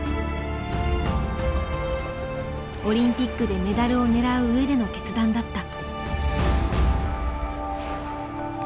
オリンピックでメダルを狙う上での決断だった。